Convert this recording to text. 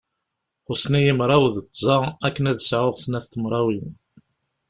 Xussen-iyi mraw d tẓa akken ad sɛuɣ snat tmerwin.